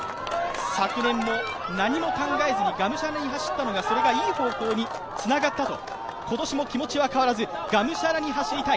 昨年も何も考えずにがむしゃらに走ったのがいい方向につながった、今年も気持ちは変わらず、がむしゃらに走りたい。